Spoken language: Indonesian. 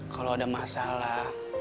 kalo ada masalah